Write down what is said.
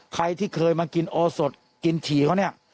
ใครที่เคยมากินโอสดกินฉี่เขาเนี่ย